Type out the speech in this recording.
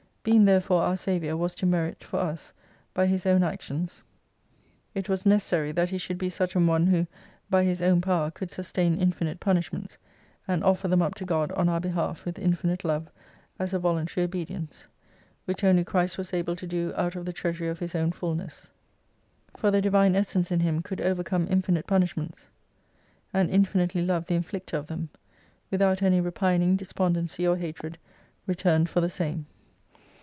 Being therefore our Saviour was to merit for us, by His own actions, it was necessary that He should be such an one, who, by His own power, could sustain infinite punishments, and offer them up to God on our behalf with infinite Love as a voluntary obedience. Which only Christ was able to do out of the treasury of His own fullness. For the divine essence in Him could overcome infinite punish ments, and infinitely love the Inflicter of them : with out any repining, despondency, or hatred, returned for the same.